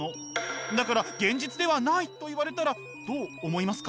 だから現実ではないと言われたらどう思いますか？